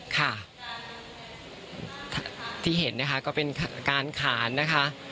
ค่ะที่เห็นนะคะก็เป็นการขานนะคะ